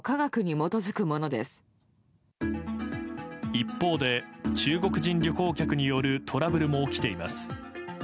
一方で、中国人旅行客によるトラブルも起きています。